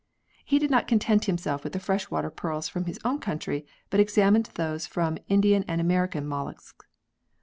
He did not content himself with the fresh water pearls from his own country but examined those from Indian and American molluscs.